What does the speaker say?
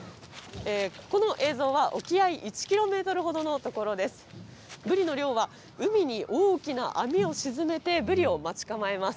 この映像は、沖合１キロメートルほどの所です。